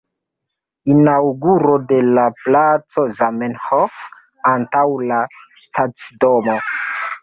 Inaŭguro de la placo Zamenhof antaŭ la stacidomo.